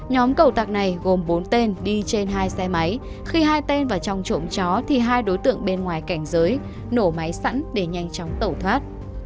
nhóm cầu tạc này gồm bốn tên đi trên hai xe máy khi hai tên vào trong trộm chó thì hai đối tượng bên ngoài cảnh giới nổ máy sẵn để nhanh chóng tẩu thoát